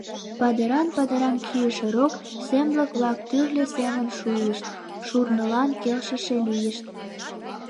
Падыран-падыран кийыше рок семлык-влак тӱрлӧ семын шулышт, шурнылан келшыше лийышт.